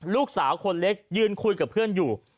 ลูกสาวคนเล็กยืนคุยกับเพื่อนอยู่